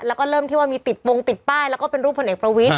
แล้วก็เริ่มที่ว่ามีติดโปรงติดป้ายแล้วก็เป็นรูปพลเอกประวิทธิ